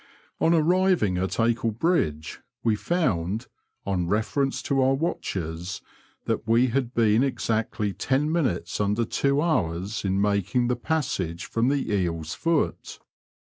On arriving at Acle Bridge we found, on reference to our watches, we had been exactly ten minutes under two hours in making the passage from the Eel's Foot.